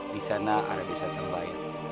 di sana ada desa tembak